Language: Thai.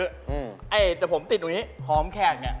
เดี๋ยวผมติดตัวเบิกที่นี้หอมแขกเนี้ย